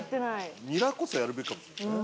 ニラこそやるべきかもしれないね。